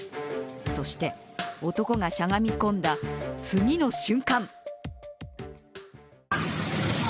そして、男がしゃがみ込んだ次の瞬間。